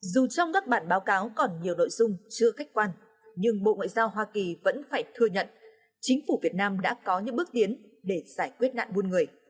dù trong các bản báo cáo còn nhiều nội dung chưa khách quan nhưng bộ ngoại giao hoa kỳ vẫn phải thừa nhận chính phủ việt nam đã có những bước tiến để giải quyết nạn buôn người